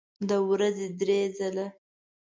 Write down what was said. د ورځې درې ځله